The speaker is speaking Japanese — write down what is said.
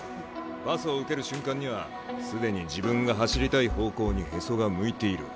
パスを受ける瞬間には既に自分が走りたい方向にへそが向いている。